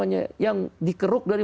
yang dikeruk dari